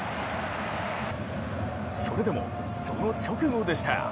それでも、その直後でした。